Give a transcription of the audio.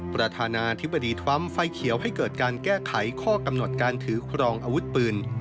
ประธานาธิบดีทรัมป์ไฟเขียวให้เกิดการแก้ไขข้อกำหนดการถือครองอาวุธปืน